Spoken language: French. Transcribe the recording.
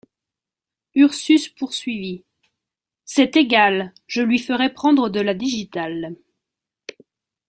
Ursus poursuivit: — C’est égal, je lui ferai prendre de la digitale.